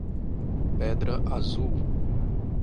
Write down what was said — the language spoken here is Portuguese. Pedra Azul